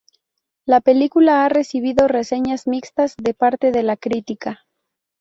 La película ha recibido reseñas mixtas de parte de la crítica.